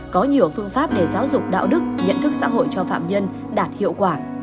có nhiều phương pháp để giáo dục đạo đức nhận thức xã hội cho phạm nhân đạt hiệu quả